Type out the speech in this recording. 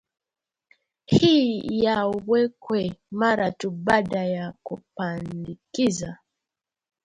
hii yawekwe mara tu baada ya kupandikiza